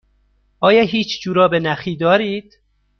آیا هیچ جوراب نخی دارید؟